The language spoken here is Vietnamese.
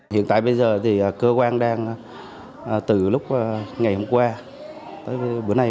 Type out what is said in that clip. hiện tại bây giờ thì cơ quan đang từ lúc ngày hôm qua tới bữa nay